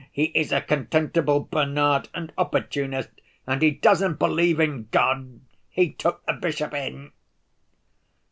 He is a contemptible Bernard and opportunist, and he doesn't believe in God; he took the bishop in!"